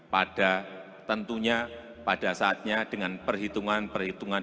pada tentunya pada saatnya dengan perhitungan perhitungan